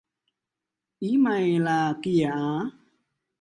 Ý mày là kìa á